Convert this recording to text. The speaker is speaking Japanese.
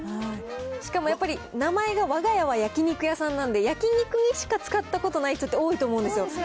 しかもやっぱり、名前がわが家は焼肉屋さんなんで、焼肉にしか使ったことない人って多いと思うんですよ。